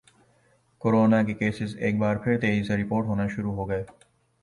corona کے cases ایک بار پھر تیزی سے رپورٹ ہونا شروع ہوگئے